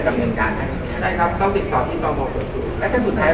ถ้าต้องลองสับเพจก็ต้องต่อให้